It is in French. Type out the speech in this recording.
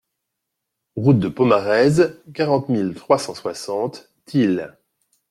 Route de Pomarez, quarante mille trois cent soixante Tilh